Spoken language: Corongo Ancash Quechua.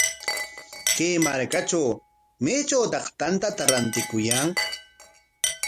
Kay markatraw, ¿maytrawtaq tantata rantikuyan?